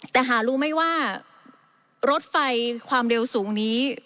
แต่หารู้ไหมว่ารถไฟความเร็วสูงนี้